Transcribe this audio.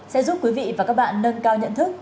sẽ giúp quý vị và các bạn nâng cao nhận thức